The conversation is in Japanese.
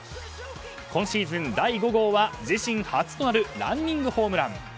今シーズン第５号は自身初となるランニングホームラン。